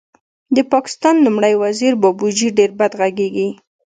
د پاکستان لومړی وزیر بابوجي ډېر بد غږېږي